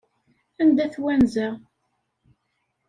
Anda-t wanza?